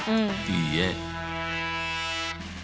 いいえ。